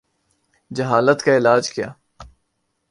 جہالت کا علاج کیا؟